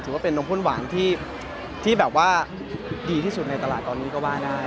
ว่าเป็นนมข้นหวานที่แบบว่าดีที่สุดในตลาดตอนนี้ก็ว่าได้